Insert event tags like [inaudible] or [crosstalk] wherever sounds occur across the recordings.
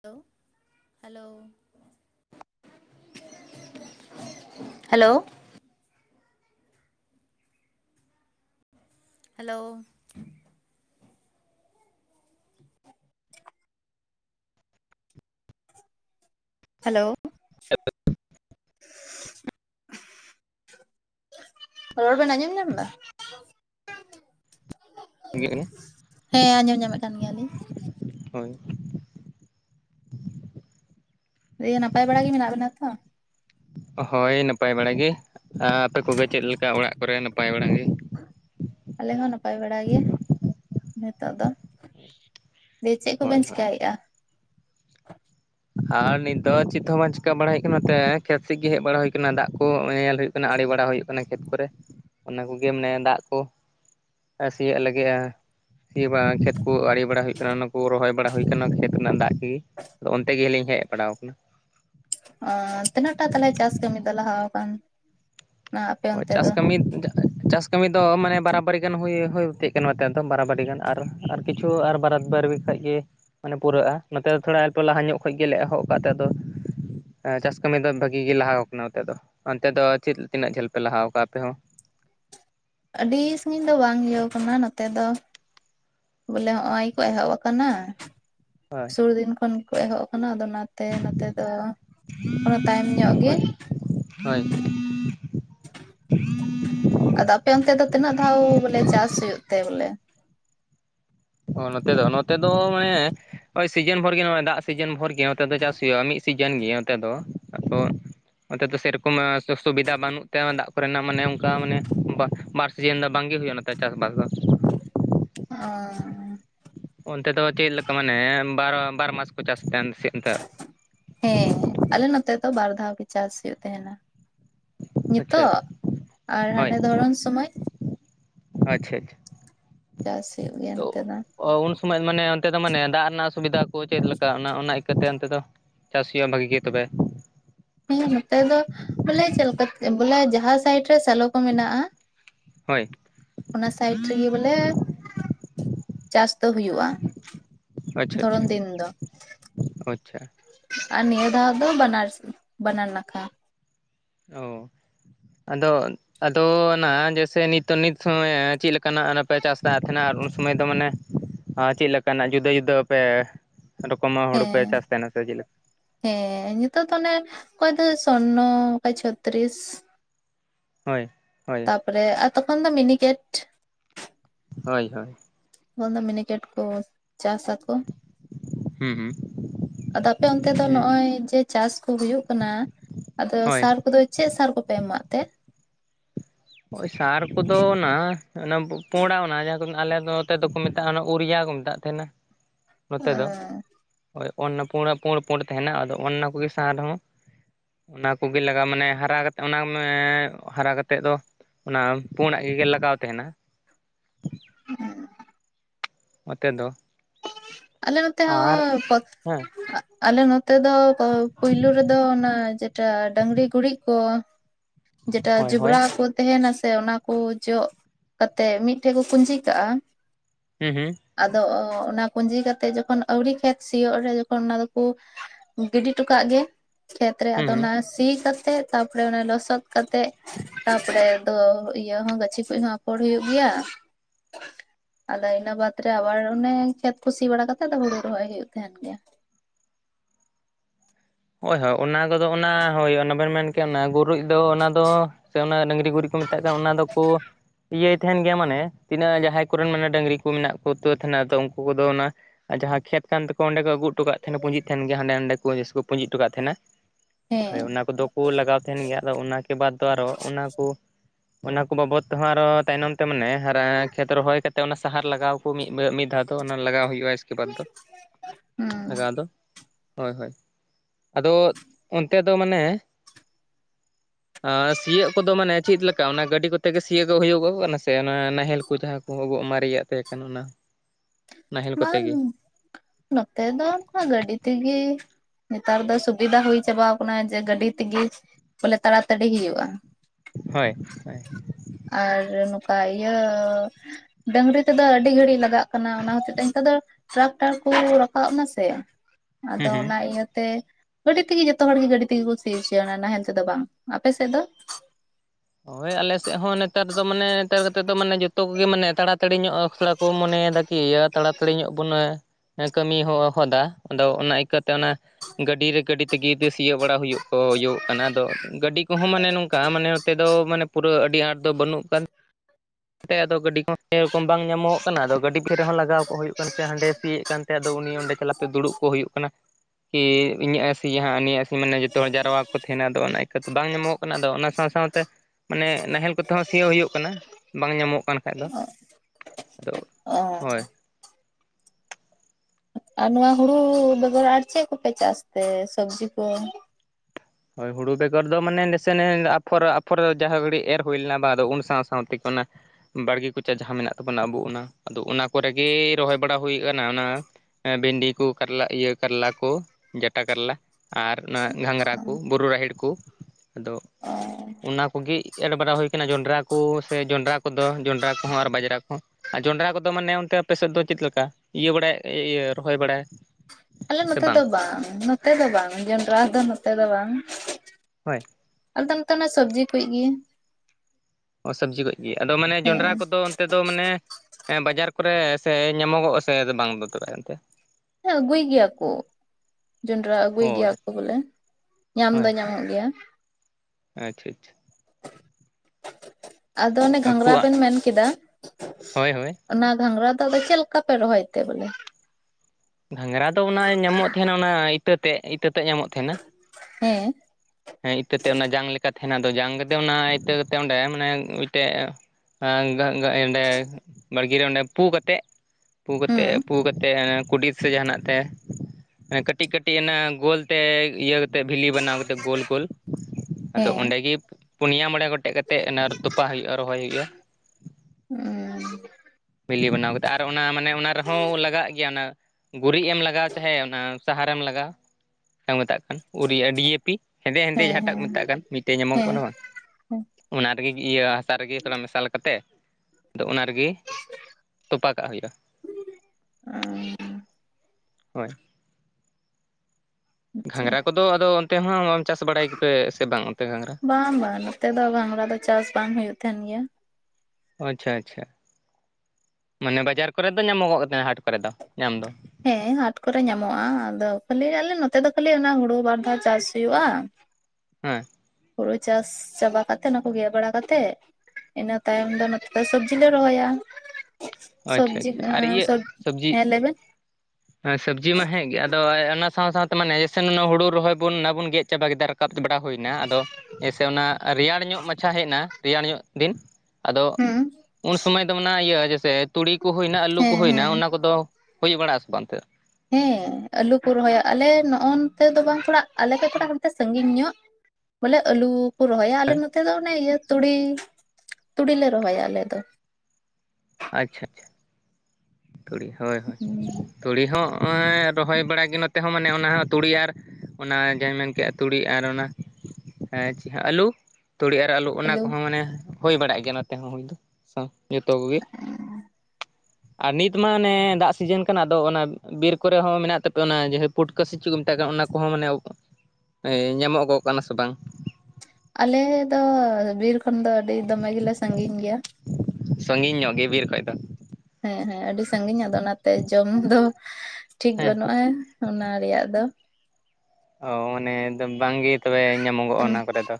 Hello, hello, hello, hello, hello, ᱨᱚᱲ ᱵᱮᱱ ᱟᱸᱡᱚᱢ ᱧᱟᱢᱫᱟ? ᱦᱮᱸ ᱟᱸᱡᱚᱢ ᱧᱟᱢᱮᱫ ᱠᱟᱱ ᱜᱮᱭᱟᱞᱤᱧ᱾ ᱦᱳᱭ᱾ ᱫᱤᱭᱮ ᱱᱟᱯᱟᱭ ᱵᱟᱲᱟ ᱜᱮ ᱢᱮᱱᱟᱜ ᱵᱮᱱᱟ ᱛᱚ᱾ ᱦᱳᱭ ᱱᱟᱯᱟᱭ ᱵᱟᱲᱟᱜ ᱜᱮ ᱟᱯᱮ ᱠᱚᱜᱮ ᱪᱮᱫ ᱞᱮᱠᱟ ᱚᱲᱟᱜ ᱠᱚᱨᱮ ᱱᱟᱯᱟᱭ ᱵᱟᱲᱟᱜ ᱜᱮ? ᱟᱞᱮ ᱦᱚᱸ ᱱᱟᱯᱟᱭ ᱵᱟᱲᱟ ᱜᱮ ᱱᱤᱛᱚᱜ ᱫᱚ᱾ ᱫᱤᱭᱮ ᱪᱮᱫ ᱦᱳᱭ ᱠᱚᱵᱮᱱ ᱦᱳᱭ ᱪᱤᱠᱟᱭᱮᱜ-ᱟ? ᱟᱨ ᱱᱤᱛ ᱫᱚ ᱪᱮᱫ ᱦᱚᱸ ᱵᱟᱝ ᱪᱤᱠᱟᱹ ᱵᱟᱲᱟᱭ ᱠᱟᱱᱟ ᱱᱚᱛᱮ ᱠᱷᱮᱛ ᱥᱮᱫ ᱜᱮ ᱦᱮᱡ ᱵᱟᱲᱟ ᱦᱩᱭ ᱠᱟᱱᱟ ᱫᱟᱜ ᱠᱚ ᱧᱮᱞ ᱦᱳᱭᱳᱜ, ᱟᱲᱮ ᱵᱟᱲᱟ ᱦᱩᱭᱩᱜ ᱠᱟᱱᱟ ᱠᱷᱮᱛ ᱠᱚᱨᱮ ᱚᱱᱟ ᱠᱚᱜᱮ ᱢᱟᱱᱮ ᱫᱟᱜ ᱠᱚ᱾ ᱟᱨ ᱥᱤᱭᱚᱜ ᱞᱟᱹᱜᱤᱫ-ᱟ᱾ ᱥᱤ ᱵᱟᱝ ᱠᱷᱮᱛ ᱠᱚ ᱟᱲᱮ ᱵᱟᱲᱟ ᱦᱩᱭ ᱠᱟᱱᱟ ᱚᱱᱟ ᱠᱚ ᱨᱚᱦᱚᱭ ᱵᱟᱲᱟ ᱦᱩᱭ ᱠᱟᱱᱟ ᱠᱷᱮᱛ ᱨᱮᱱᱟᱜ ᱫᱟᱜ ᱜᱮ᱾ ᱛᱮ ᱜᱮ ᱞᱤᱧ ᱦᱮᱡ ᱵᱟᱲᱟᱣ ᱠᱟᱱᱟ᱾ ᱛᱤᱱᱟᱹᱜ ᱴᱟ ᱛᱟᱦᱟᱞᱮ ᱪᱟᱥ ᱠᱟᱹᱢᱤ ᱫᱚ ᱞᱟᱦᱟ ᱟᱠᱟᱱ? ᱟᱯᱮ ᱦᱳᱭ ᱚᱱᱛᱮ ᱪᱟᱥ ᱫᱚ ᱠᱟᱹᱢᱤ ᱪᱟᱥ ᱠᱟᱹᱢᱤ ᱫᱚ ᱢᱟᱱᱮ ᱵᱟᱨᱟᱵᱟᱨᱤ ᱜᱟᱱ ᱦᱩᱭ ᱦᱩᱭ ᱛᱤᱜ ᱠᱟᱱᱟ ᱠᱟᱱ ᱫᱚ ᱵᱟᱨᱟᱵᱟᱨᱤ ᱜᱟᱱ ᱟᱨ, ᱟᱨ ᱠᱤᱪᱷᱩ ᱟᱨ ᱵᱟᱨᱛ ᱵᱟᱨᱤ ᱠᱷᱟᱱ ᱜᱮ, ᱢᱟᱱᱮ ᱯᱩᱨᱟᱜ-ᱟ ᱱᱚᱛᱮ ᱫᱚ ᱛᱷᱚᱲᱟ ᱮᱞᱯᱚ ᱞᱟᱦᱟ ᱧᱚᱜ ᱠᱷᱚᱡ ᱜᱮᱞᱮ ᱮᱦᱚᱵ ᱠᱟᱜ ᱠᱟᱫ ᱛᱮ ᱟᱫᱚ, ᱪᱟᱥ ᱠᱟᱹᱢᱤ ᱫᱚ ᱵᱷᱟᱹᱜᱤ ᱜᱮ ᱞᱟᱦᱟᱣ ᱠᱟᱱᱟ ᱱᱚᱛᱮ ᱫᱚ ᱚᱱᱛᱮ ᱫᱚ ᱪᱮᱫ ᱛᱤᱱᱟᱹᱜ ᱡᱷᱟᱹᱞ ᱯᱮ ᱞᱟᱦᱟᱣ ᱠᱟᱜ ᱟᱯᱮ ᱦᱚᱸ? ᱟᱹᱰᱤ ᱥᱟᱺᱜᱤᱧ ᱫᱚ ᱵᱟᱝ ᱤᱭᱟᱹᱣ ᱠᱟᱱᱟ ᱱᱚᱛᱮ ᱫᱚ᱾ ᱵᱚᱞᱮ ᱦᱚᱸᱜ-ᱚᱭ ᱠᱚ ᱮᱦᱚᱵ ᱟᱠᱟᱱᱟ᱾ ᱦᱳᱭ, ᱥᱩᱨ ᱫᱤᱱ ᱠᱷᱚᱱ ᱜᱮᱠᱚ ᱮᱦᱚᱵ ᱠᱟᱱᱟ ᱟᱫᱚ ᱱᱟᱛ ᱛᱮ ᱱᱚᱛᱮ ᱫᱚ ᱚᱱᱟ ᱛᱟᱭᱚᱢ ᱧᱚᱜ ᱜᱮ, ᱦᱳᱭ ᱦᱳᱭ ᱟᱫᱚ ᱟᱯᱮ ᱚᱱᱛᱮ ᱫᱚ ᱛᱤᱱᱟᱹᱜ ᱫᱷᱟᱣ ᱵᱚᱞᱮ ᱪᱟᱥ ᱦᱩᱭᱩᱜ ᱛᱮ ᱵᱚᱞᱮ? ᱚ ᱱᱚᱛᱮ ᱫᱚ, ᱱᱚᱛᱮ ᱫᱚ ᱢᱟᱱᱮ, ᱦᱳᱭ ᱥᱤᱡᱤᱱ ᱵᱷᱳᱨ ᱜᱮ ᱱᱚᱜ-ᱚᱭ ᱫᱟᱜ ᱥᱤᱡᱤᱱ ᱵᱷᱳᱨ ᱜᱮ ᱱᱚᱛᱮ ᱫᱚ ᱪᱟᱥ ᱦᱩᱭᱩᱜ-ᱟ ᱢᱤᱫ ᱥᱤᱡᱤᱱ ᱜᱮ ᱱᱚᱛᱮ ᱫᱚ ᱟᱫᱚ, ᱚᱱᱚᱛᱮ ᱫᱚ ᱥᱮᱨᱚᱠᱚᱢ ᱥᱩᱵ-ᱥᱩᱵᱤᱫᱷᱟ ᱵᱟᱹᱱᱩᱜ ᱛᱮ ᱦᱚᱸᱭ ᱫᱟᱜ ᱠᱚᱨᱮᱱᱟᱜ ᱢᱟᱱᱮ ᱚᱝᱠᱟ ᱢᱟᱱᱮ, [unintelligible] ᱥᱤᱡᱤᱱ ᱫᱚ ᱵᱟᱝ ᱜᱮ ᱦᱩᱭᱩᱜ-ᱟ ᱱᱚᱛᱮ ᱪᱟᱥᱵᱟᱥ ᱫᱚ᱾ ᱚ ᱚᱱᱛᱮ ᱫᱚ ᱪᱮᱫ ᱞᱮᱠᱟ ᱢᱟᱱᱮ ᱵᱟᱨᱚ ᱵᱟᱨ ᱢᱟᱥ ᱠᱚ ᱪᱟᱥ ᱛᱟᱸᱦᱮᱱᱫ ᱥᱮ ᱚᱝᱠᱟ? ᱦᱮᱸ ᱟᱞᱮ ᱱᱚᱛᱮ ᱫᱚ ᱵᱟᱨ ᱫᱷᱟᱣ ᱜᱮ ᱪᱟᱥ ᱦᱩᱭᱩᱜ ᱛᱟᱦᱮᱸᱱᱟ᱾ ᱟᱪᱪᱷᱟ ᱟᱪᱪᱷᱟ ᱱᱤᱛᱚᱜ ᱟᱨ ᱦᱳᱭ ᱦᱟᱱᱮ ᱫᱷᱚᱲᱚᱱ ᱥᱚᱢᱚᱭ᱾ ᱟᱪᱪᱷᱟ ᱟᱪᱪᱷᱟ᱾ ᱪᱟᱜ ᱥᱮ ᱩᱱᱤᱭᱟᱜ ᱱᱚᱛᱮ ᱱᱟᱜ ᱚ ᱩᱱ ᱥᱚᱢᱚᱭ ᱢᱟᱱᱮ ᱚᱱᱛᱮ ᱫᱚ ᱢᱟᱱᱮ ᱫᱟᱜ ᱨᱮᱱᱟᱜ ᱥᱩᱵᱤᱫᱷᱟ ᱠᱚ ᱪᱮᱫ ᱞᱮᱠᱟ? ᱚᱱᱟ ᱚᱱᱟ ᱤᱠᱟᱹᱛᱮ ᱚᱱᱛᱮ ᱫᱚ ᱪᱟᱥ ᱦᱩᱭᱩᱜᱼᱟ ᱵᱷᱟᱜᱤ ᱜᱮ ᱛᱚᱵᱮ ᱾ ᱦᱮᱸ ᱱᱚᱛᱮ ᱫᱚ ᱵᱚᱞᱮ ᱪᱮᱞᱠᱟ ᱠᱟᱛᱮᱜ ᱵᱚᱞᱮ ᱡᱟᱦᱟᱸ ᱥᱟᱭᱤᱴ ᱨᱮ ᱥᱮᱞᱚ ᱠᱚ ᱢᱮᱱᱟᱜᱼᱟ ᱦᱳᱭ, ᱚᱱᱟ ᱥᱟᱭᱤᱴ ᱨᱮᱜᱮ ᱵᱚᱞᱮ ᱪᱟᱥ ᱫᱚ ᱦᱩᱭᱩᱜᱼᱟ, ᱟᱪᱪᱷᱟ ᱟᱪᱪᱷᱟ ᱫᱷᱚᱨᱚᱱ ᱫᱤᱱ ᱫᱚ ᱟᱪᱪᱷᱟ ᱾ ᱟᱨ ᱱᱤᱭᱟᱹ ᱫᱷᱟᱣ ᱫᱚ ᱵᱟᱱᱟᱨ ᱥᱮᱱ ᱵᱟᱱᱟᱨ ᱱᱟᱠᱷᱟ ᱚ, ᱟᱫᱚ ᱟᱫᱚ ᱚᱱᱟ ᱡᱮᱥᱮ ᱱᱤᱛᱚ ᱱᱤᱛ ᱦᱚᱸᱭᱮ ᱪᱤᱞᱠᱟ ᱱᱟᱜ ᱚᱱᱟ ᱯᱮ ᱪᱟᱥ [unintelligible] ᱛᱟᱦᱮᱱᱟ ᱟᱨ ᱩᱱ ᱥᱚᱢᱚᱭ ᱫᱚ ᱢᱟᱱᱮ, ᱟᱨ ᱪᱮᱜ ᱞᱮᱠᱟᱱᱟᱜ ᱡᱩᱫᱟᱹ ᱡᱩᱫᱟᱹ ᱯᱮ ᱨᱚᱠᱚᱢᱟᱜ ᱦᱩᱲᱩ ᱯᱮ ᱦᱮᱸ ᱪᱟᱥ ᱛᱟᱦᱮᱸᱱᱟ ᱥᱮ ᱪᱮᱫ ᱞᱮᱠᱟ? ᱦᱮᱸ ᱱᱤᱛᱚᱜ ᱫᱚ ᱚᱱᱮ ᱚᱠᱚᱭ ᱫᱚ ᱥᱚᱨᱱᱚ ᱚᱠᱚᱭ ᱪᱷᱚᱛᱨᱤᱥ ᱦᱳᱭ ᱦᱳᱭ, ᱛᱟᱯᱚᱨᱮ ᱟᱨ ᱛᱚᱠᱷᱚᱱ ᱫᱚ ᱢᱤᱱᱤᱠᱮᱴ ᱦᱳᱭ ᱦᱳᱭ, ᱢᱮᱱ ᱫᱚ ᱢᱤᱱᱤᱠᱮᱴ ᱠᱚ ᱪᱟᱥ ᱟᱠᱚ ᱾ ᱦᱩᱸ ᱦᱩᱸ, ᱟᱫᱚ ᱟᱯᱮ ᱚᱱᱛᱮ ᱫᱚ ᱦᱩᱸ ᱱᱚᱜ-ᱚᱭ ᱡᱮ ᱪᱟᱥ ᱠᱚ ᱦᱩᱭᱩᱜ ᱠᱟᱱᱟ, ᱟᱫᱚ ᱦᱳᱭ ᱥᱟᱨ ᱠᱚᱫᱚ ᱪᱮᱜ ᱥᱟᱨ ᱠᱚᱯᱮ ᱮᱢᱟᱜ ᱛᱮ? ᱥᱟᱨ ᱠᱚᱫᱚ ᱚᱱᱟ ᱚᱱᱟ ᱯᱳᱰᱟᱜ ᱚᱱᱟ ᱡᱟᱦᱟᱸ ᱠᱚ ᱟᱞᱮ ᱫᱚ ᱱᱚᱛᱮ ᱫᱚᱠᱚ ᱢᱮᱛ [unintelligible] ᱚᱱᱟ ᱳᱩᱨᱤᱭᱟ ᱠᱚ ᱢᱮᱛᱟᱜ ᱛᱷᱮᱦᱮᱱᱟ ᱾ [inaudible] ᱱᱚᱛᱮ ᱫᱚ ᱚᱱ-ᱱᱟ ᱯᱩᱸᱰᱟ ᱯᱩᱸᱰ ᱯᱩᱸᱰ ᱛᱷᱟᱦᱮᱱᱟ ᱟᱫᱚ ᱚᱱ-ᱚᱱᱟ ᱠᱚᱜᱮ ᱥᱟᱨ ᱦᱚᱸ ᱚᱱᱟ ᱠᱚᱜᱮ ᱞᱟᱜᱟᱜ ᱢᱟᱱᱮ ᱦᱟᱨᱟ ᱠᱟᱛᱮᱜ ᱚᱱᱟ [unintelligible] ᱦᱟᱨᱟ ᱠᱟᱛᱮᱜ ᱫᱚ, ᱚᱱᱟ ᱯᱩᱸᱰᱟᱜ ᱜᱮᱠᱚ ᱞᱟᱜᱟᱣ ᱛᱮᱦᱮᱱᱟ ᱾ [inaudible] ᱱᱚᱛᱮ ᱫᱚ ᱟᱞᱮ ᱱᱚᱛᱮ ᱟᱨ ᱦᱚᱸ ᱦᱮᱸ [unintelligible] ᱟᱞᱮ ᱱᱚᱛᱮ ᱫᱚ ᱯᱩᱭᱞᱩ ᱨᱮᱫᱚ ᱚᱱᱟ ᱡᱮᱴᱟ ᱰᱟᱹᱝᱨᱤ ᱜᱩᱨᱤᱡ ᱠᱚ ᱡᱮᱴᱟ ᱦᱳᱭ ᱦᱳᱭ ᱡᱚᱵᱽᱨᱟ ᱠᱚ ᱛᱮᱦᱮᱱᱟ ᱥᱮ ᱚᱱᱟ ᱠᱚ ᱡᱚᱜ ᱠᱟᱛᱮᱜ ᱢᱤᱫᱴᱷᱮᱡ ᱠᱚ ᱯᱩᱸᱡᱤ ᱠᱟᱜᱼᱟ ᱾ ᱦᱩᱸ ᱦᱩᱸ, ᱟᱫᱚ ᱚᱱᱟ ᱯᱩᱸᱡᱤ ᱠᱟᱛᱮᱜ ᱡᱚᱠᱷᱚᱱ ᱟᱹᱣᱨᱤ ᱠᱚ ᱥᱤᱭᱳᱜ ᱨᱮ ᱡᱚᱠᱷᱚᱱ ᱚᱱᱟ ᱫᱚᱠᱚ ᱜᱤᱰᱤ ᱴᱚᱠᱟᱜ ᱜᱮ ᱠᱷᱮᱛ ᱨᱮ ᱦᱩᱸ ᱟᱫᱚ ᱦᱩᱸ ᱚᱱᱟ ᱥᱤ ᱠᱟᱛᱮ ᱛᱟᱯᱚᱨᱮ ᱚᱱᱟ ᱞᱚᱥᱚᱜ ᱠᱟᱛᱮᱜ ᱛᱟᱨᱯᱚᱨᱮ ᱫᱚ ᱤᱭᱟᱹ ᱦᱚᱸ ᱜᱟᱹᱪᱷᱤ ᱠᱚ ᱦᱚᱸ ᱟᱯᱷᱚᱲ ᱦᱩᱭᱩᱜ ᱜᱮᱭᱟ ᱾ ᱟᱫᱚ ᱤᱱᱟᱹ ᱵᱟᱫᱽ ᱨᱮ ᱟᱵᱟᱨ ᱚᱱᱮ ᱠᱷᱮᱛ ᱠᱚ ᱥᱤ ᱵᱟᱲᱟ ᱠᱟᱛᱮᱜ ᱟᱫᱚ ᱦᱩᱲᱩ ᱨᱚᱦᱚᱭ ᱦᱩᱭᱩᱜ ᱛᱟᱸᱦᱮᱱ ᱜᱮᱭᱟ ᱾ ᱳᱭ ᱦᱳᱭ ᱚᱱᱟ ᱠᱚᱫᱚ ᱚᱱᱟ ᱦᱳᱭ ᱚᱱᱮ ᱵᱮᱱ ᱢᱮᱱ ᱠᱮᱱᱟ ᱜᱩᱨᱤᱡ ᱫᱚ ᱚᱱᱟ ᱫᱚ ᱥᱮ ᱚᱱᱟ ᱰᱟᱹᱝᱨᱤ ᱜᱩᱨᱤᱡ ᱠᱚ ᱢᱮᱛᱟᱜ ᱠᱟᱱ ᱚᱱᱟ ᱫᱚ ᱠᱩ ᱤᱭᱟᱹᱭ ᱛᱟᱦᱮᱱ ᱜᱮᱭᱟ ᱢᱟᱱᱮ ᱛᱤᱱᱟᱹᱜ ᱡᱟᱦᱟᱸᱭ ᱠᱚᱨᱮᱱ ᱢᱟᱱᱮ ᱰᱟᱹᱝᱨᱤ ᱠᱚ ᱢᱮᱱᱟᱜ ᱠᱚ ᱛᱳ ᱛᱟᱦᱮᱱᱟ ᱩᱱᱠᱩ ᱠᱚᱫᱚ ᱚᱱᱟ ᱟ ᱡᱟᱦᱟᱸ ᱠᱷᱮᱛᱷ ᱠᱟᱱ ᱛᱟᱠᱚ ᱚᱸᱰᱮ ᱠᱚ ᱟᱹᱜᱩ ᱩᱴᱩ ᱛᱮᱦᱮᱱᱟ ᱦᱚᱸᱵᱮᱱᱟᱵᱮ ᱵᱤᱥᱠᱩ ᱛᱟᱦᱮᱱᱟ ᱯᱩᱸᱡᱤ ᱛᱟᱦᱮᱱᱟ ᱾ ᱦᱳᱭ ᱦᱮᱸ ᱚᱱᱟ ᱠᱚᱫᱚ ᱠᱚ ᱞᱟᱜᱟᱣ ᱛᱮᱦᱮᱱ ᱜᱮᱭᱟ ᱟᱫᱚ ᱚᱱᱟᱠᱮ ᱵᱟᱫᱚ ᱟᱨᱚ ᱚᱱᱟ ᱠᱩ ᱚᱱᱟ ᱠᱩ ᱵᱟᱵᱚᱛ ᱛᱮᱦᱚᱸ ᱟᱨᱚ ᱛᱟᱭᱱᱚᱢ ᱢᱟᱱᱮ ᱦᱟᱨᱟ ᱠᱷᱮᱛ ᱨᱚᱦᱚᱭ ᱠᱟᱛᱮᱜ ᱚᱱᱟ ᱥᱟᱦᱟᱨ ᱞᱟᱜᱟᱣ ᱠᱚ ᱢᱤᱫ ᱢᱤᱫ ᱫᱷᱟᱣ ᱫᱚ ᱚᱱᱟ ᱞᱟᱜᱟᱣ ᱦᱩᱭᱩᱜᱼᱟ ᱤᱥᱠᱮ ᱵᱟᱫᱽ ᱦᱩᱸ ᱟᱜ ᱟᱫᱚ ᱦᱳᱭ ᱦᱳᱭ ᱾ ᱟᱫᱚ ᱚᱱᱛᱮ ᱫᱚ ᱢᱟᱱᱮ [inaudible] ᱟᱸ ᱥᱤᱭᱳᱜ ᱠᱚᱫᱚ ᱢᱟᱱᱮ ᱪᱮᱫ ᱞᱮᱠᱟ ᱚᱱᱟ ᱜᱟᱹᱰᱤ ᱠᱚᱛᱮ ᱜᱮ ᱥᱤᱭᱳᱜᱚᱜ ᱦᱩᱭᱩᱜᱚᱜ ᱠᱟᱱᱟ ᱥᱮ ᱚᱱᱟ ᱱᱟᱦᱮᱞᱼᱼ ᱩᱱᱠᱩ ᱡᱟᱦᱟᱸ ᱠᱚᱦᱚᱜᱚ ᱢᱟᱨᱮᱭᱟᱜ ᱛᱟᱦᱮᱸ ᱠᱟᱱᱟ ᱚᱱᱟᱼᱼ ᱵᱟᱵ ᱱᱚᱛᱮ ᱫᱚ ᱜᱟᱹᱰᱤ ᱛᱮᱜᱮ ᱱᱮᱛᱟᱨ ᱫᱚ ᱥᱩᱵᱤᱫᱷᱟ ᱦᱩᱭ ᱪᱟᱵᱟᱣ ᱟᱠᱟᱱᱟ ᱡᱮ ᱜᱟᱹᱰᱤ ᱛᱮᱜᱮ ᱵᱚᱞᱮ ᱛᱟᱲᱟᱛᱟᱹᱲᱤ ᱦᱩᱭᱩᱜᱼᱟ᱾ ᱦᱳᱭ ᱳᱭ ᱟᱨ ᱱᱚᱠᱟ ᱤᱭᱟᱹ ᱰᱟᱹᱝᱨᱤ ᱛᱮᱫᱚ ᱟᱹᱰᱤ ᱜᱷᱟᱹᱲᱤᱡ ᱞᱟᱜᱟᱜ ᱠᱟᱱᱟ ᱚᱱᱟ ᱦᱚᱛᱮᱡᱼᱼ ᱱᱮᱛᱟᱫᱚ ᱴᱨᱟᱠᱴᱟᱨ ᱠᱚ ᱨᱟᱠᱟᱵ ᱮᱱᱟ ᱥᱮ ᱦᱩᱸ ᱟᱫᱚ ᱦᱩᱸ ᱚᱱᱟ ᱤᱭᱟᱹᱛᱮᱼᱼ ᱜᱟᱹᱰᱤ ᱛᱤᱜᱤ ᱡᱚᱛᱚ ᱦᱚᱲ ᱜᱤ ᱜᱟᱹᱰᱤ ᱛᱤᱜᱤ ᱠᱩ ᱥᱤ ᱚᱪᱚᱭᱟ ᱚᱱᱟ ᱱᱟᱦᱮᱞ ᱛᱮᱫᱚ ᱵᱟᱝ ᱟᱯᱮ ᱥᱮᱫᱚ? ᱳᱭ ᱟᱞᱮ ᱥᱮᱫ ᱦᱚᱸ ᱱᱮᱛᱟᱨ ᱫᱚ ᱢᱟᱱᱮ ᱱᱮᱛᱟᱨ ᱠᱟᱛᱮᱡ ᱫᱚ ᱢᱟᱱᱮ ᱡᱚᱛᱚ ᱠᱚᱜᱮ ᱢᱟᱱᱮ ᱛᱟᱲᱟᱛᱟᱹᱲᱤ ᱧᱚᱜ ᱛᱷᱚᱲᱟᱼᱼ ᱠᱚ ᱢᱚᱱᱮᱭᱮᱫᱟ ᱠᱤ ᱤᱭᱟ ᱛᱟᱲᱟᱛᱟᱹᱲᱤ ᱧᱚᱜ ᱵᱚᱱᱮᱼᱼ ᱠᱟᱹᱢᱤ ᱦᱚᱦᱚᱫᱟ ᱟᱫᱚ ᱚᱱᱟ ᱤᱠᱟᱹᱭᱛᱮ ᱚᱱᱟᱼᱼ ᱜᱟᱹᱰᱤᱨᱮ ᱜᱟᱹᱰᱤ ᱛᱮᱜᱮ ᱥᱤᱭᱚᱜ ᱵᱟᱲᱟ ᱦᱩᱭᱩᱜ ᱠᱚ ᱦᱩᱭᱩᱜᱚᱜ ᱠᱟᱱᱟ ᱟᱫᱚ ᱜᱟᱹᱰᱤ ᱠᱚᱦᱚᱸ ᱢᱟᱱᱮ ᱱᱚᱝᱠᱟ ᱢᱟᱱᱮᱼᱼ ᱛᱮᱫᱚ ᱢᱟᱱᱮ ᱯᱩᱨᱟᱹ ᱟᱰᱤ ᱟᱸᱴᱷ ᱫᱚ ᱵᱟᱹᱱᱩᱜ ᱠᱟᱱᱼᱼ ᱛᱮ ᱜᱟᱹᱰᱤ ᱠᱚᱦᱚᱸ ᱥᱮᱨᱚᱠᱚᱢ ᱵᱟᱝ ᱧᱟᱢᱚᱜᱚᱜ ᱠᱟᱱᱟ ᱟᱫᱚ ᱜᱟᱹᱰᱤ ᱯᱷᱮ ᱨᱮᱦᱚᱸ ᱞᱟᱜᱟᱣ ᱠᱚᱜ ᱦᱩᱭᱩᱜ ᱠᱟᱱᱟ ᱥᱮ ᱦᱟᱸᱰᱮ ᱥᱤᱭᱮᱫ ᱠᱟᱱᱛᱮ ᱟᱫᱚ ᱩᱱᱤ ᱚᱸᱰᱮ ᱪᱟᱞᱟᱟᱣᱼᱼ ᱫᱩᱲᱩᱵ ᱠᱚᱜ ᱦᱩᱭᱩᱜ ᱠᱟᱱᱟ᱾ ᱠᱤ ᱤᱧᱟᱹᱜ ᱮ ᱥᱤᱭᱟ ᱦᱟᱸᱜ ᱦᱟᱹᱱᱤᱭᱟ ᱦᱟᱸ ᱱᱤᱭᱟᱜ ᱮ ᱥᱤ ᱭᱟ ᱢᱟᱱᱮ ᱡᱚᱛᱚᱦᱚ ᱡᱟᱨᱣᱟ ᱠᱚ ᱛᱮᱦᱮᱱᱟ ᱚᱱᱟ ᱟᱹᱭᱠᱟᱹᱛᱮ ᱵᱟᱝ ᱧᱟᱢᱚᱼᱼ ᱠᱟᱱᱟ ᱫᱚ ᱚᱱᱟ ᱥᱟᱸᱶ ᱥᱟᱸᱶᱛᱮ ᱢᱟᱱᱮ ᱱᱟᱦᱮᱞ ᱠᱚᱛᱮ ᱦᱚᱸ ᱥᱤᱭᱳᱜ ᱦᱩᱭᱩᱜ ᱠᱟᱱᱟ᱾ ᱵᱟᱝ ᱧᱟᱢᱚᱜ ᱠᱟᱱ ᱠᱷᱟᱡᱫᱚ ᱟᱫᱚ ᱚ ᱦᱳᱭ᱾ ᱟᱨ ᱱᱚᱣᱟ ᱦᱩᱲᱩ ᱵᱮᱜᱚᱨ ᱟᱨ ᱪᱮᱜ ᱠᱚᱯᱮ ᱪᱟᱥ ᱛᱮ ᱥᱚᱵᱽᱡᱤ ᱠᱚ? ᱦᱳᱭ ᱦᱩᱲᱩ ᱵᱮᱜᱚᱨ ᱫᱚ ᱢᱟᱱᱮ ᱱᱮᱥᱮᱱᱮᱧ ᱟᱯᱷᱚᱨ ᱟᱯᱷᱚᱨ ᱡᱟᱦᱟᱸ ᱜᱷᱟᱹᱲᱤᱡ ᱮᱨ ᱦᱩᱭ ᱞᱮᱱᱟ ᱵᱟᱝᱫᱚ ᱩᱱ ᱥᱟᱸᱶ ᱥᱟᱸᱶᱛᱮᱠ ᱳᱱᱟ ᱵᱟᱲᱜᱮ ᱠᱚᱪᱟ ᱡᱟᱦᱟᱸ ᱢᱮᱱᱟᱜ ᱛᱟᱵᱚᱱᱟ ᱟᱵᱩ ᱚᱱᱟ ᱟᱫᱚ ᱚᱱᱟ ᱠᱚᱨᱮᱜᱮ ᱨᱚᱦᱚᱭ ᱵᱟᱲᱟ ᱦᱩᱭ ᱟᱠᱟᱱᱟ ᱚᱱᱟᱼᱼ ᱵᱷᱤᱱᱰᱤ ᱠᱩ ᱠᱟᱨᱞᱟ ᱤᱭᱟᱹ ᱠᱟᱨᱞᱟ ᱠᱩ ᱡᱟᱴᱟ ᱠᱟᱨᱞᱟ ᱟᱨ ᱚᱱᱟ ᱜᱷᱟᱸᱝᱨᱟᱼᱼ ᱠᱩ ᱵᱩᱨᱩ ᱨᱟᱦᱮᱲ ᱠᱩ ᱟᱫᱚ ᱚᱱᱟ ᱠᱩᱜᱤ ᱮᱲ ᱵᱟᱨᱟ ᱦᱩᱭ ᱟᱠᱟᱱᱟ ᱡᱚᱸᱰᱨᱟ ᱠᱩ ᱥᱮ ᱡᱚᱱᱰᱨᱟ ᱠᱚᱫᱚ ᱡᱚᱸᱰᱨᱟ ᱠᱚᱦᱚᱸ ᱟᱨ ᱵᱟᱡᱨᱟ ᱠᱚᱦᱚᱸᱼᱼ ᱟᱨ ᱡᱚᱸᱰᱨᱟ ᱠᱚᱫᱚ ᱢᱟᱱᱮ ᱚᱱᱛᱮ ᱟᱯᱮ ᱥᱮᱫ ᱫᱚ ᱪᱮᱫ ᱞᱮᱠᱟ ᱤᱭᱟᱹ ᱵᱟᱲᱟᱭ ᱤᱭᱟᱹ ᱨᱚᱦᱚᱭ ᱵᱟᱲᱟᱭᱼᱼ ᱟᱞᱮ ᱱᱚᱛᱮ ᱫᱚ ᱵᱟᱝ ᱱᱚᱛᱮ ᱫᱚ ᱵᱟᱝ ᱡᱚᱸᱰᱨᱟ ᱫᱚ ᱱᱚᱛᱮ ᱫᱚ ᱵᱟᱝ ᱦᱚᱭ ᱟᱞᱮᱫᱚ ᱱᱚᱛᱮᱱᱟ ᱥᱚᱵᱽᱡᱤ ᱠᱩᱭᱤᱡ ᱜᱤ᱾ ᱳ ᱥᱟᱹᱵᱽᱡᱤ ᱠᱩᱡ ᱜᱤ ᱟᱫᱚ ᱢᱟᱱᱮ ᱡᱚᱸᱰᱨᱟ ᱦᱮᱸ ᱠᱚᱫᱚ ᱚᱱᱛᱮᱼᱼ ᱫᱚ ᱢᱟᱱᱮ ᱵᱟᱡᱟᱨ ᱠᱚᱨᱮ ᱥᱮ ᱧᱟᱢᱚᱜᱚᱜᱼᱟ ᱥᱮ ᱵᱟᱝ ᱫᱚ ᱛᱚᱵᱮ ᱮᱱᱛᱮᱼᱼ ᱦᱮᱸ ᱟᱹᱜᱩᱭ ᱜᱮᱭᱟ ᱠᱩ᱾ ᱡᱚᱸᱰᱨᱟ ᱟᱹᱜᱩᱭ ᱜᱮᱭᱟ ᱦᱳᱭ ᱠᱩ ᱵᱚᱞᱮ ᱧᱟᱢ ᱫᱚ ᱦᱳᱭ ᱧᱟᱢᱚᱜ ᱜᱮᱭᱟ᱾ -ᱟᱪᱪᱷᱟ ᱟᱪᱪᱷᱟ ᱟᱫᱚ ᱚᱱᱮ ᱜᱷᱟᱸᱝᱨᱟ ᱵᱮᱱ ᱢᱮᱱᱠᱮᱫᱟ᱾ ᱦᱚᱭ ᱦᱚᱭ᱾ ᱚᱱᱟ ᱜᱷᱝᱨᱟᱫᱚ ᱟᱫᱚ ᱪᱮᱫ ᱞᱮᱠᱟᱠᱟ ᱯᱮ ᱨᱚᱦᱚᱛᱮ ᱵᱚᱞᱮ? ᱜᱷᱟᱸᱝᱨᱟ ᱫᱚ ᱚᱱᱟ ᱧᱟᱢᱚᱜ ᱛᱮᱦᱮᱱᱟ ᱚᱱᱟ ᱤᱛᱟᱹ ᱛᱮᱜ ᱤᱛᱟᱹᱛᱮᱜ ᱧᱟᱢᱚᱜ ᱛᱮᱦᱮᱱᱟ᱾ ᱦᱮᱸ ᱦᱮᱸ ᱤᱛᱟᱹᱛᱮᱜ ᱚᱱᱟ ᱡᱟᱝ ᱞᱮᱠᱟ ᱛᱮᱦᱮᱱᱟ ᱡᱟᱝ ᱠᱟᱛᱮᱜ ᱚᱱᱟ ᱤᱛᱟᱹ ᱠᱟᱛᱮᱜ ᱚᱸᱰᱮ ᱢᱟᱱᱮ ᱢᱤᱫᱴᱮᱜᱼᱼ ᱦᱮ [unintelligible] ᱚᱸᱰᱮ ᱵᱟᱲᱜᱮ ᱚᱸᱰᱮ ᱯᱩ ᱠᱟᱛᱮᱜ ᱯᱩ ᱠᱟᱛᱮ ᱦᱩᱸ ᱯᱩ ᱠᱟᱛᱮ ᱠᱩᱰᱤᱼᱼ ᱥᱮ ᱡᱟᱦᱟᱱᱟᱜ ᱛᱮ ᱠᱟᱹᱴᱤᱡ ᱠᱟᱹᱴᱤᱡ ᱚᱱᱟ ᱜᱳᱞ ᱛᱮ ᱤᱭᱟᱹ ᱠᱟᱛᱮ ᱵᱷᱤᱞᱤᱼᱼ ᱵᱮᱱᱟᱣᱛᱮ ᱜᱳᱞ ᱠᱩᱞ ᱟᱫᱚ ᱦᱮᱸ ᱚᱸᱰᱮ ᱜᱮ ᱯᱩᱱᱭᱟ ᱢᱚᱬᱮ ᱜᱚᱴᱮᱡ ᱠᱟᱛᱮ ᱚᱱᱟᱨ ᱛᱚᱯᱟᱭ ᱦᱩᱭᱩᱜᱼᱟ ᱨᱚᱦᱚᱭ ᱦᱩᱭᱩᱜᱼᱟ᱾ ᱩᱸ, ᱵᱤᱞᱤ ᱵᱮᱱᱟᱣ ᱠᱟᱛᱮ ᱟᱨ ᱚᱱᱟ ᱢᱟᱱᱮ ᱚᱱᱟ ᱨᱮᱦᱚᱸ ᱞᱟᱜᱟᱜ ᱜᱮᱭᱟ ᱚᱱᱟ, ᱜᱩᱨᱤᱡ ᱮᱢ ᱞᱟᱜᱟᱣ ᱪᱟᱦᱮ ᱚᱱᱟ ᱥᱟᱦᱟᱨᱮᱢ ᱞᱟᱜᱟᱣ ᱡᱟᱦᱟᱸ ᱠᱚ ᱢᱮᱛᱟᱜ ᱠᱟᱱᱟ᱾ ᱩᱨᱤᱭᱟ ᱮ ᱰᱤᱭᱮᱯᱤ ᱦᱮᱸᱫᱮ ᱦᱮᱸᱫᱮ ᱦᱮᱸ ᱡᱟᱦᱟᱸᱴᱟᱜ ᱠᱚ ᱦᱮᱸ ᱢᱮᱛᱟᱜ ᱠᱟᱱ ᱢᱤᱫᱴᱮᱱ ᱧᱟᱢᱚᱜᱚᱜ ᱦᱮᱸ ᱠᱟᱱᱟ ᱵᱟᱝ? ᱚᱱᱟᱨᱮᱜᱮ ᱤᱭᱟᱹ ᱦᱟᱥᱟ ᱨᱮᱜᱮ ᱛᱷᱚᱲᱟ ᱢᱮᱥᱟᱞ ᱠᱟᱛᱮᱫ ᱟᱫᱚ ᱚᱱᱟᱨᱮᱜᱮ, ᱛᱚᱯᱟ ᱠᱟᱜ ᱦᱩᱭᱩᱜᱼᱟ᱾ [inaudible] ᱦᱳᱭ᱾ ᱟᱪᱪᱷᱟ ᱜᱷᱟᱸᱝᱨᱟ ᱠᱚᱫᱚ ᱟᱫᱚ ᱚᱱᱛᱮ ᱦᱚᱸ ᱵᱟᱢ ᱪᱟᱥ ᱵᱟᱲᱟᱭ ᱜᱮᱯᱮ ᱥᱮ ᱵᱟᱝ ᱚᱱᱛᱮ ᱜᱷᱟᱸᱝᱨᱟ? ᱵᱟᱝ ᱵᱟᱝ ᱱᱚᱛᱮ ᱫᱚ ᱜᱷᱟᱸᱝᱨᱟ ᱫᱚ ᱪᱟᱥ ᱵᱟᱝ ᱦᱳᱭᱳᱜ ᱛᱟᱦᱮᱸᱱ ᱜᱮᱭᱟ᱾ ᱟᱪᱪᱷᱟ ᱟᱪᱪᱷᱟ ᱢᱟᱱᱮ ᱵᱟᱡᱟᱨ ᱠᱚᱨᱮ ᱫᱚ ᱧᱟᱢᱚᱜᱚᱜ ᱛᱟᱦᱮᱸ ᱦᱟᱴ ᱠᱚᱨᱮ ᱫᱚ ᱧᱟᱢ ᱫᱚ᱾ ᱦᱮᱸ ᱦᱟᱴ ᱠᱚᱨᱮ ᱧᱟᱢᱚᱜᱼᱟ ᱟᱫᱚ ᱠᱷᱟᱞᱤ ᱟᱞᱮ ᱱᱚᱛᱮ ᱫᱚ ᱠᱷᱟᱹᱞᱤ ᱚᱱᱟ ᱦᱩᱲᱩ ᱵᱟᱨ ᱫᱷᱟᱣ ᱪᱟᱥ ᱦᱩᱭᱩᱜᱼᱟ᱾ [inaudible] ᱦᱮᱸ, ᱦᱩᱲᱩ ᱪᱟᱥ ᱪᱟᱵᱟ ᱠᱟᱛᱮᱜ ᱚᱱᱟᱠᱚ ᱜᱮᱫ ᱵᱟᱲᱟ ᱠᱟᱛᱮᱫ᱾ ᱤᱱᱟᱹ ᱛᱟᱭᱚᱢ ᱫᱚ ᱱᱚᱛᱮ ᱫᱚ ᱥᱚᱵᱽᱡᱤ ᱞᱮ ᱨᱚᱦᱚᱭᱟ᱾ ᱟᱪᱪᱷᱟ ᱥᱚᱵᱡᱤ ᱟᱪᱪᱷᱟ ᱟᱨ ᱤᱭᱟᱹ ᱥᱚᱵ ᱥᱚᱵᱽᱡᱤ ᱦᱮᱸ ᱞᱟᱹᱭᱵᱮᱱ? ᱦᱮᱸ ᱥᱚᱵᱽᱡᱤ ᱢᱟ ᱦᱮᱡᱸ ᱜᱮ ᱟᱫᱚ, ᱚᱱᱟ ᱥᱟᱶ ᱥᱟᱶᱛᱮ ᱢᱟᱱᱮ ᱡᱮᱥᱮᱱ ᱦᱩᱲᱩ ᱨᱚᱦᱚᱭ ᱵᱚᱱ ᱚᱱᱟ ᱵᱚᱱ ᱜᱮᱫ ᱪᱟᱵᱟ ᱠᱮᱫᱟ ᱨᱟᱠᱟᱵ ᱵᱟᱲᱟ ᱦᱩᱭᱱᱟ ᱟᱫᱚ, ᱦᱮᱸᱥᱮ ᱚᱱᱟ ᱨᱮᱭᱟᱲ ᱧᱚᱜ ᱢᱟᱪᱷᱟ ᱦᱮᱡ ᱮᱱᱟ ᱨᱮᱭᱟᱲ ᱧᱚᱜ ᱫᱤᱱ᱾ ᱟᱫᱚ ᱦᱩᱸ ᱩᱱ ᱥᱚᱢᱚᱭ ᱫᱚ ᱚᱱᱟ ᱤᱭᱟᱹ ᱡᱮᱭᱥᱮ ᱛᱩᱲᱤ ᱠᱚ ᱦᱩᱭᱱᱟ ᱟᱹᱞᱩ ᱠᱚ ᱦᱮᱸ ᱦᱩᱭᱱᱟ ᱦᱮᱸ ᱚᱱᱟ ᱠᱚᱫᱚ, ᱦᱩᱭ ᱵᱟᱲ ᱟᱥᱮ ᱵᱟᱝ ᱚᱱᱛᱮ? ᱦᱮᱸ ᱟᱞᱩ ᱠᱚ ᱨᱚᱦᱚᱭᱟ ᱟᱞᱮ ᱱᱚᱜᱼᱚ ᱱᱚᱛᱮ ᱫᱚ ᱵᱟᱝ ᱛᱷᱚᱲᱟ ᱟᱞᱮ ᱠᱷᱚᱡ ᱛᱷᱚᱲᱟ ᱥᱟᱺᱜᱤᱧ ᱧᱚᱜ᱾ ᱵᱚᱞᱮ ᱟᱹᱞᱩ ᱠᱚ ᱨᱚᱦᱚᱭᱟ ᱟᱞᱮ ᱱᱚᱛᱮ ᱫᱚ ᱚᱱᱮ ᱤᱭᱟᱹ ᱛᱩᱲᱤ ᱛᱩᱲᱤ ᱞᱮ ᱨᱚᱦᱚᱭᱟ ᱟᱞᱮ ᱫᱚ᱾ ᱟᱪᱪᱷᱟ ᱟᱪᱷᱟ, ᱠᱩᱲᱤ, ᱦᱳᱭ ᱦᱳᱭ ᱦᱩᱸ ᱛᱩᱲᱤ ᱦᱚ ᱮᱸ ᱨᱚᱦᱚᱭ ᱵᱟᱲᱟᱜᱟᱜᱮ ᱱᱚᱛᱮ ᱦᱚᱸ ᱢᱟᱱᱮ ᱚᱱᱟ ᱦᱚᱸ ᱛᱩᱲᱤ ᱟᱨ ᱚᱱᱟ ᱡᱟᱦᱟᱸᱧ ᱢᱮᱱ ᱠᱮᱫᱮᱜᱼᱟ ᱛᱩᱲᱤ ᱟᱨ ᱚᱱᱟ ᱦᱮᱸ ᱟᱞᱩ ᱛᱩᱲᱤ ᱟᱨ ᱟᱞᱩ᱾ ᱚᱱᱟ ᱦᱮᱞᱳ ᱠᱚᱦᱚᱸ ᱢᱟᱱᱮ ᱦᱩᱭ ᱵᱟᱲᱟᱜ ᱜᱮᱭᱟ ᱱᱚᱛᱮ ᱦᱚᱸ ᱦᱩᱭ ᱫᱚ ᱡᱚᱛᱚ ᱠᱚᱜᱮ᱾ ᱟᱨ ᱱᱤᱛ ᱢᱟ ᱚᱱᱮ ᱫᱟᱜ ᱥᱤᱡᱮᱱ ᱠᱟᱱᱟ ᱟᱫᱚ ᱚᱱᱟ ᱵᱤᱨ ᱠᱚᱨᱮ ᱦᱚᱸ ᱢᱮᱱᱟᱜ ᱛᱟᱯᱮᱭᱟ ᱚᱱᱟ ᱡᱮᱦ ᱯᱩᱴᱠᱟᱹ ᱥᱮ ᱪᱮᱫ ᱠᱚ ᱢᱮᱛᱟᱜ ᱠᱟᱱᱟ ᱚᱱᱟ ᱠᱚᱦᱚᱸ ᱢᱟᱱᱮ ᱧᱟᱢᱚᱜᱚᱜ ᱠᱟᱱᱟ ᱥᱮ ᱵᱟᱝ? ᱟᱞᱮ ᱫᱚ ᱵᱤᱨ ᱠᱷᱚᱱ ᱫᱚ ᱟᱹᱰᱤ ᱫᱚᱢᱮ ᱜᱮᱞᱮ ᱥᱟᱺᱜᱤᱧ ᱜᱮᱭᱟ᱾ ᱥᱟᱺᱜᱤᱧ ᱧᱚᱜ ᱜᱮ ᱵᱤᱨ ᱠᱷᱚᱡ ᱫᱚ? ᱦᱮᱸ ᱦᱮᱸ ᱟᱹᱰᱤ ᱥᱟᱺᱜᱤᱧ ᱟᱫᱚ ᱚᱱᱟᱛᱮ ᱡᱚᱢ ᱫᱚ ᱴᱷᱤᱠ ᱦᱮᱸ ᱵᱟᱹᱱᱩᱜᱼᱟ᱾ ᱚᱱᱟ ᱨᱮᱭᱟᱜ ᱫᱚ᱾ ᱚ ᱢᱟᱱᱮ ᱵᱟᱝᱜᱮ ᱛᱚᱵᱮ ᱧᱟᱢᱚᱜᱚᱜᱼᱟ ᱚᱱᱟ ᱠᱚᱨᱮ ᱫᱚ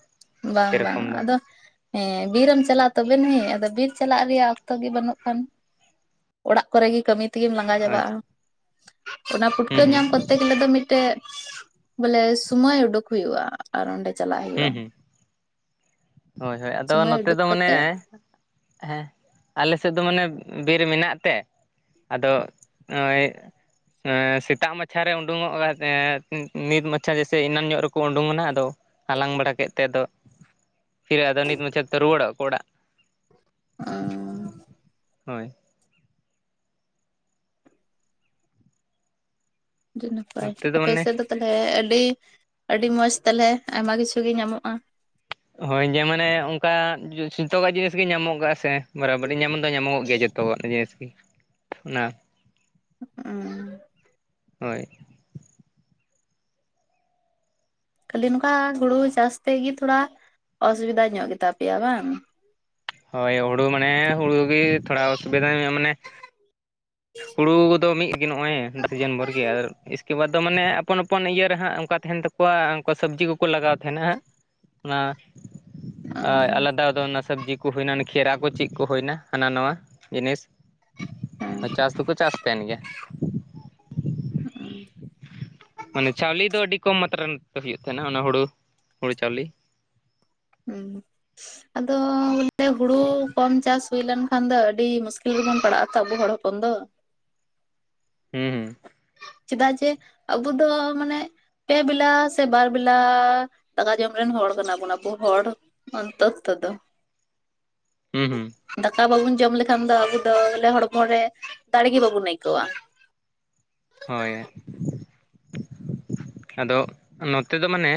ᱵᱟᱝ ᱵᱟᱝ ᱥᱮᱨᱚᱠᱚᱢ ᱫᱚ᱾ ᱟᱫᱚ ᱦᱮᱸ ᱵᱤᱨᱮᱢ ᱪᱟᱞᱟᱜᱼᱟ ᱛᱚᱵᱮ ᱱᱤ ᱟᱫᱚ ᱵᱤᱨ ᱪᱟᱞᱟᱜ ᱨᱮᱭᱟᱜ ᱚᱠᱛᱚ ᱜᱮ ᱵᱟᱹᱱᱩᱜ ᱠᱷᱟᱱ᱾ ᱚᱲᱟᱜ ᱠᱚᱨᱮ ᱜᱮ ᱠᱟᱹᱢᱤ ᱛᱮᱜᱮᱢ ᱞᱟᱸᱜᱟ ᱟᱪᱪᱷᱟ ᱪᱟᱵᱟᱜᱼᱟ᱾ ᱚᱱᱟ ᱯᱷᱩᱴᱠᱟᱹ ᱦᱩᱸ ᱦᱩᱸ ᱧᱟᱢ ᱠᱚᱨᱛᱮ ᱜᱮᱞᱮ ᱫᱚ ᱢᱤᱫᱴᱮᱡ ᱵᱚᱞᱮ ᱥᱚᱢᱚᱭ ᱩᱰᱩᱠ ᱦᱩᱭᱩᱜᱼᱟ ᱟᱨ ᱚᱸᱰᱮ ᱪᱟᱞᱟᱜ ᱦᱩᱭᱩᱜᱼᱟ᱾ ᱦᱩᱸ ᱦᱩᱸ ᱦᱳᱭ ᱦᱳᱭ ᱟᱫᱚ ᱥᱚᱢᱚᱭ ᱱᱚᱛᱮ ᱩᱰᱩᱠ ᱫᱚ ᱠᱟᱛᱮᱜ ᱢᱟᱱᱮ, ᱦᱮᱸ ᱟᱞᱮᱥᱮᱫ ᱫᱚ ᱢᱟᱱᱮ ᱵᱤᱨ ᱢᱮᱱᱟᱜ ᱛᱮ, ᱟᱫᱚ ᱳᱭ, ᱥᱮᱛᱟᱜ ᱢᱟᱪᱷᱟ ᱨᱮ ᱩᱰᱩᱝᱚᱜ ᱮ ᱱᱤᱛ ᱢᱟᱪᱷᱟ ᱡᱮᱭᱥᱮ ᱮᱱᱟᱱ ᱧᱚᱜ ᱨᱮᱠᱚ ᱩᱰᱩᱝᱱᱟ ᱟᱫᱚ, ᱦᱟᱞᱟᱝ ᱵᱟᱲᱟ ᱠᱮᱫᱛᱮ ᱟᱫᱚ, ᱯᱷᱤᱨ ᱟᱫᱚ ᱱᱤᱛ ᱢᱩᱪᱮᱫ ᱛᱮ ᱨᱩᱣᱟᱲ ᱠᱚ ᱚᱲᱟᱜ, [unintelligible] ᱦᱳᱭ᱾ ᱟᱹᱰᱤ ᱱᱟᱯᱟᱭ ᱱᱚᱛᱮ ᱟᱯᱮ ᱢᱟᱱᱮ ᱥᱮᱫ ᱫᱚ ᱛᱟᱦᱚᱞᱮ ᱟᱹᱰᱤ ᱟᱹᱰᱤ ᱢᱚᱸᱡᱽ ᱛᱟᱞᱦᱮ ᱟᱭᱢᱟ ᱠᱤᱪᱷᱩ ᱜᱮ ᱧᱟᱢᱚᱜ-ᱟ᱾ ᱦᱳᱭ ᱡᱮ ᱢᱟᱱᱮ ᱚᱱᱠᱟ ᱥᱤᱛᱚᱠᱟᱜ ᱡᱤᱱᱤᱥ ᱜᱮ ᱧᱟᱢᱚᱜᱚᱜ ᱥᱮ ᱵᱟᱨᱟᱵᱚᱨᱤ ᱧᱟᱢᱚᱜ ᱫᱚ ᱧᱟᱢᱚᱜᱚᱜ ᱜᱮᱭᱟ ᱡᱚᱛᱚ᱾ [inaudible] ᱡᱤᱱᱤᱥ ᱜᱮ ᱚᱱᱟ [inaudible] ᱦᱳᱭ᱾ ᱠᱷᱟᱞᱤ ᱱᱚᱝᱠᱟ ᱦᱩᱲᱩ ᱪᱟᱥ ᱛᱮᱜᱮ ᱛᱷᱚᱲᱟ ᱚᱥᱩᱵᱤᱫᱟ ᱧᱚᱜ ᱜᱮᱛᱟ ᱯᱮᱭᱟ ᱵᱟᱝ? ᱦᱳᱭ ᱦᱩᱲᱩ ᱢᱟᱱᱮ ᱦᱩᱲᱩ ᱜᱮ ᱛᱷᱚᱲᱟ ᱚᱥᱩᱵᱤᱫᱟ ᱧᱚᱜ ᱢᱟᱱᱮ ᱦᱩᱲᱩ ᱠᱚᱫᱚ ᱢᱤᱫ ᱜᱮ ᱱᱚᱜ-ᱚᱭ ᱫᱚ ᱥᱤᱡᱚᱱ ᱵᱷᱚᱨ ᱜᱮ ᱟᱨ ᱤᱥᱠᱮ ᱵᱟᱫᱽ ᱫᱚ ᱢᱟᱱᱮ ᱟᱯᱚᱱ ᱟᱯᱚᱱ ᱤᱭᱟᱹᱨ ᱨᱮ ᱦᱟᱸᱜ ᱚᱱᱠᱟ ᱛᱟᱦᱮᱱ ᱛᱟᱠᱚᱣᱟ, ᱠᱚᱣᱟᱜ ᱩᱱᱠᱟ ᱥᱚᱵᱽᱡᱤ ᱠᱚᱠᱚ ᱞᱟᱜᱟᱣ ᱛᱟᱦᱮᱱᱟ, ᱚᱱᱟ ᱟᱨ ᱦᱮᱸ ᱟᱞᱟᱫᱟ ᱫᱚ ᱚᱱᱟ ᱥᱚᱵᱽᱡᱤ ᱠᱚ ᱦᱩᱭᱱᱟ ᱠᱷᱨᱟ ᱠᱚ ᱪᱮᱫ ᱠᱚ ᱦᱩᱭᱱᱟ ᱦᱟᱱᱟ ᱱᱟᱣᱟ ᱡᱤᱱᱤᱥ ᱦᱳᱭ ᱪᱟᱥ ᱫᱚᱠᱚ ᱪᱟᱥ ᱛᱟᱦᱮᱱ ᱜᱮᱭᱟ᱾ ᱦᱩᱸ ᱢᱟᱱᱮ ᱪᱟᱣᱞᱮ ᱫᱚ ᱟᱹᱰᱤ ᱠᱚᱢ ᱢᱟᱛᱨᱟ ᱦᱩᱭᱩᱜ ᱛᱟᱦᱮᱱᱟ ᱚᱱᱟ ᱦᱩᱲᱩ, ᱦᱩᱲᱩ ᱪᱟᱣᱞᱮ᱾ ᱦᱩᱸ ᱟᱫᱚ ᱵᱚᱞᱮ ᱦᱩᱲᱩ ᱠᱚᱢ ᱪᱟᱥ ᱦᱩᱭ ᱞᱱᱠᱷᱟᱱ ᱫᱚ ᱟᱹᱰᱤ ᱢᱩᱥᱠᱤᱞ ᱨᱮᱵᱚᱱ ᱯᱟᱲᱟᱜ-ᱟ ᱛᱚ ᱟᱵᱚ ᱦᱚᱲ [inaudible] ᱦᱩᱸ ᱪᱮᱫᱟᱜ ᱡᱮ ᱟᱵᱚ ᱫᱚ ᱢᱟᱱᱮ ᱯᱮ ᱵᱮᱞᱟ ᱥᱮ ᱵᱟᱨ ᱵᱮᱞᱟ ᱫᱟᱠᱟ ᱡᱚᱢ ᱨᱮᱱ ᱦᱚᱲ ᱠᱟᱱᱟ ᱵᱩᱱ ᱟᱵᱚ ᱦᱚᱲ, [unintelligible] ᱛᱚ ᱫᱚ ᱦᱩᱸ ᱦᱩᱸ ᱫᱟᱠᱟ ᱵᱟᱵᱚᱱ ᱡᱚᱢ ᱞᱮᱠᱷᱟᱱ ᱫᱚ ᱟᱵᱚ ᱫᱚ ᱵᱚᱞᱮ ᱦᱚᱲᱢᱚ ᱨᱮ ᱫᱟᱲᱮᱜ ᱜᱮ ᱵᱟᱵᱚᱱ ᱟᱹᱭᱠᱟᱹᱣᱟ᱾ ᱦᱳᱭ᱾ [unintelligible] ᱟᱫᱚ ᱱᱚᱛᱮ ᱫᱚ ᱢᱟᱱᱮ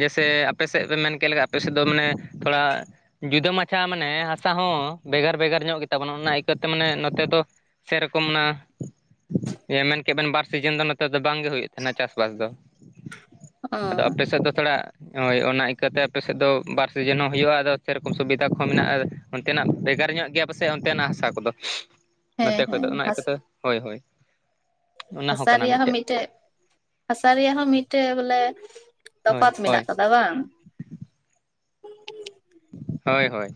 ᱡᱮᱭᱥᱮ ᱟᱯᱮ ᱥᱮᱫ ᱯᱮ ᱢᱮᱱ ᱠᱮᱫ ᱞᱮᱟᱱ ᱟᱯᱮ ᱥᱮᱫ ᱫᱚ ᱢᱟᱱᱮ ᱛᱷᱚᱲᱟ ᱡᱩᱫᱟᱹ ᱢᱟᱪᱷᱟ ᱢᱟᱱᱮ ᱦᱟᱥᱟ ᱦᱚᱸ ᱵᱷᱮᱜᱟᱨ ᱵᱷᱮᱜᱟᱨ ᱧᱚᱜ ᱜᱮᱛᱟ ᱵᱚᱱᱟ ᱚᱱᱟ [inaudible] ᱢᱟᱱᱮ ᱱᱚᱛᱮ ᱫᱚ ᱥᱮᱨᱚᱠᱚᱢ ᱚᱱᱟ ᱢᱮᱱ ᱠᱮ ᱵᱮᱱ ᱵᱟᱨ ᱥᱤᱡᱤᱱ ᱫᱚ ᱱᱚᱛᱮ ᱫᱚ ᱵᱟᱝᱜᱮ ᱦᱩᱭᱩᱜ ᱛᱟᱦᱮᱱᱟ ᱪᱟᱥᱵᱟᱥ ᱫᱚ ᱟᱫᱚ ᱟᱯᱮ ᱥᱮᱫ ᱫᱚ ᱛᱷᱚᱲᱟ ᱦᱳᱭ ᱚᱱᱟ ᱤᱠᱟᱹᱛᱮ ᱟᱯᱮ ᱥᱮᱫ ᱫᱚ ᱵᱟᱨ ᱥᱤᱡᱤᱱ ᱦᱚᱸ ᱦᱩᱭᱩᱜ-ᱟ ᱟᱫᱚ ᱥᱮᱨᱚᱠᱚᱢ ᱥᱩᱵᱤᱫᱷᱟ ᱠᱚᱦᱚᱸ ᱢᱮᱱᱟᱜ-ᱟ᱾ ᱚᱱᱛᱮᱱᱟᱜ ᱵᱷᱮᱜᱟᱨ ᱧᱚᱜ ᱜᱮᱭᱟ ᱯᱟᱥᱮ ᱚᱱᱛᱮᱱᱟᱜ ᱦᱟᱥᱟ ᱠᱚᱫᱚ? [unintelligible] ᱱᱚᱛᱮ ᱠᱷᱚᱡ ᱫᱚ ᱚᱱᱟ ᱤᱠᱟᱹᱛᱮ ᱦᱳᱭ ᱦᱳᱭ᱾ ᱦᱟᱥᱟ ᱨᱮᱭᱟᱜ ᱦᱚᱸ ᱢᱤᱫᱴᱮᱡ ᱦᱟᱥᱟ ᱨᱮᱭᱟᱜ ᱦᱚᱸ ᱢᱤᱫᱴᱮᱡ ᱵᱚᱞᱮ ᱦᱳᱭ ᱛᱚᱯᱷᱟᱛ ᱦᱳᱭ ᱢᱮᱱᱟᱜ-ᱟ᱾ ᱫᱟ ᱵᱟᱝ, ᱦᱳᱭ ᱦᱳᱭ᱾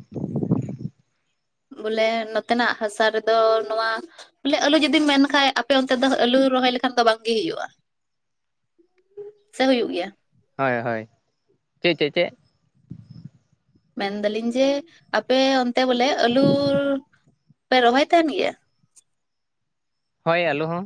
ᱵᱚᱞᱮ ᱱᱚᱛᱮᱱᱟᱜ ᱦᱟᱥᱟ ᱨᱮᱫᱚ ᱱᱚᱣᱟ ᱵᱚᱞᱮ ᱟᱹᱞᱩ ᱡᱩᱫᱤᱢ ᱢᱮᱱ ᱠᱷᱟᱱᱡ ᱟᱯᱮ ᱚᱱᱛᱮ ᱫᱚ ᱟᱹᱞᱩ ᱨᱚᱦᱚᱭ ᱞᱮᱠᱷᱟᱱ ᱫᱚ ᱵᱟᱝᱜᱮ ᱦᱩᱭᱩᱜ-ᱟ᱾ ᱥᱮ ᱦᱩᱭᱩᱜ ᱜᱮᱭᱟ? ᱦᱳᱭ ᱦᱳᱭ ᱪᱮ ᱪᱮ ᱪᱮᱜ, ᱢᱮᱱᱮᱫᱟᱞᱤᱧ ᱡᱮ ᱟᱯᱮ ᱚᱱᱛᱮ ᱵᱚᱞᱮ ᱟᱞᱩ ᱯᱮ ᱨᱚᱦᱚᱭ ᱛᱟᱦᱮᱱ ᱜᱮᱭᱟ? ᱦᱳᱭ, ᱟᱹᱞᱩ ᱦᱚᱸ᱾